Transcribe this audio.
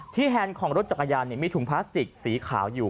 แฮนด์ของรถจักรยานมีถุงพลาสติกสีขาวอยู่